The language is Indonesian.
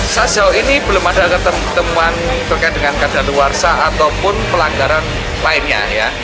sasyau ini belum ada ketemuan terkait dengan kandar luar sa ataupun pelanggaran lainnya